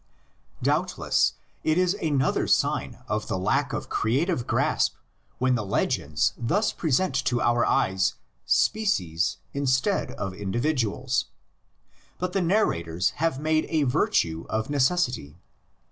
Doubtless it is another sign of the lack of creative grasp when the legends thus present to our eyes species instead of individuals; but the narrators have made a virtue of necessity.